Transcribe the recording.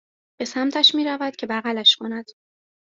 به سمتش میرود که بغلش کند